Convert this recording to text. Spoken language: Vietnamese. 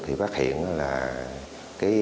thì phát hiện là